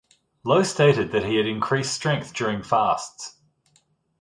Low stated that he had increased strength during fasts.